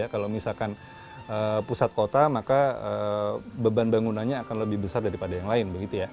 kalau misalkan pusat kota maka beban bangunannya akan lebih besar daripada yang lain